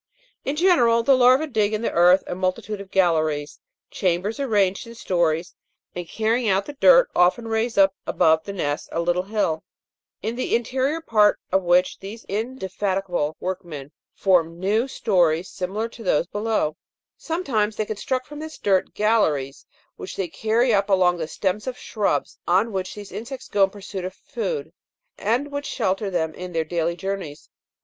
In general the larvae dig in the earth a multitude of galleries, chambers arranged in stories, and, carrying out the dirt, often raise up above the nest a little hill, in the interior of which these indefatigable workmen form new stories similar to those below ; sometimes they construct from this dirt, galleries which they carry up along the stems of shrubs on which these insects go in pursuit of food, and which shelter them in their daily journeys.